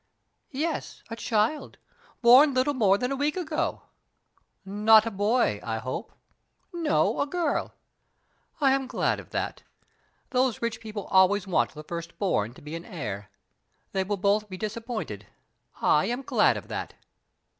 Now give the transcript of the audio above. "Yes; a child, born little more than a week ago." "Not a boy, I hope?" "No; a girl." "I am glad of that. Those rich people always want the first born to be an heir. They will both be disappointed. I am glad of that."